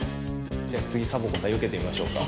つぎサボ子さんよけてみましょうか。